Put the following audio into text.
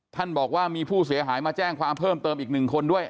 บอกว่ามีผู้เสียหายมาแจ้งความเพิ่มเติมอีก๑คนด้วย